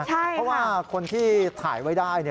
เพราะว่าคนที่ถ่ายไว้ได้